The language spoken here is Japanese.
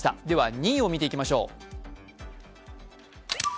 では２位を見ていきましょう。